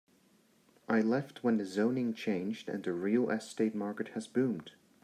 I left when the zoning changed and the real estate market has boomed.